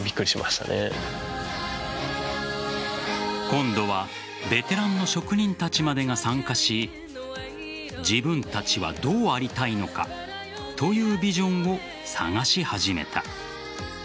今度はベテランの職人たちまでが参加し自分たちはどうありたいのかというビジョンを探し始めた。